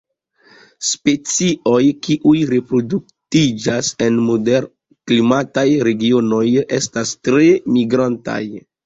Specioj kiuj reproduktiĝas en moderklimataj regionoj estas tre migrantaj.